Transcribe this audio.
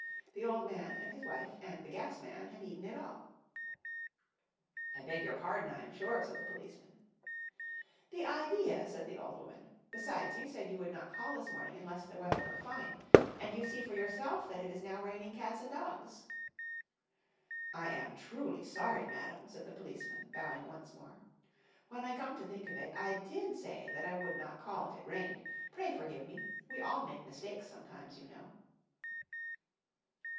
The old man and his wife and the gas man had eaten it all. "I beg your pardon, I am sure," said the policeman. "The idea!" said the old woman. "Besides you said you would not call this morning unless the weather were fine, and you see for yourself that it is now raining cats and dogs." "I am truly sorry, madam," said the policeman, bowing once more. "When I come to think of it, I did say that I would not call if it rained. Pray forgive me. We all make mistakes sometimes, you know."